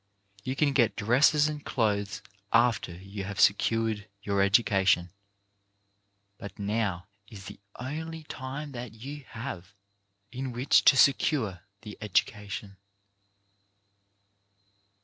You can get dresses and clothes after you have secured your education, but now is the only time that you have in which to secure the education.